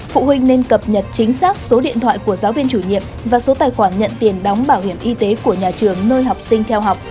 phụ huynh nên cập nhật chính xác số điện thoại của giáo viên chủ nhiệm và số tài khoản nhận tiền đóng bảo hiểm y tế của nhà trường nơi học sinh theo học